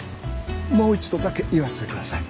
もう一度だけ言わせてください。